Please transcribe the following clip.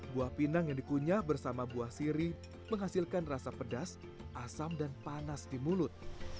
buah pinang yang dikunyah bersama buah siri menghasilkan rasa pedas asam dan panas di mulut